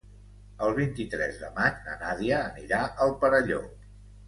El vint-i-tres de maig na Nàdia anirà al Perelló.